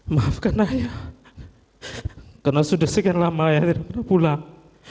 maafkan saya karena sudah segini lama saya tidak pernah pulang